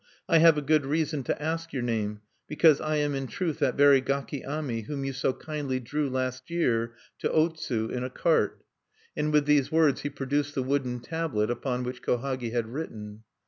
I have a good reason to ask your name, because I am in truth that very gaki ami whom you so kindly drew last year to Otsu in a cart." And with these words he produced the wooden tablet upon which Kohagi had written.